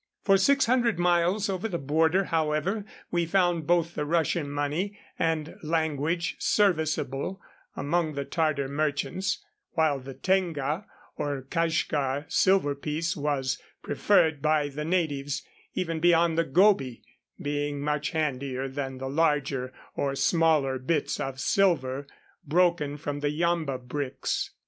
For six hundred miles over the border, however, we found both the Russian money and language serviceable among the Tatar merchants, while the tenga, or Kashgar silver piece, was preferred by the natives even beyond the Gobi, being much handier than the larger or smaller bits of silver broken from the yamba bricks.